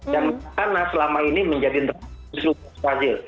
dan maracana selama ini menjadi nemesis lutut brazil